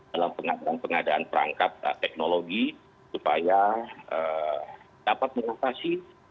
dalam pengadaan perangkat teknologi supaya dapat mengatasi satu ke satu kendala kendala